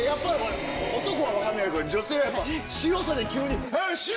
男は分かんないけど女性は白さで急に。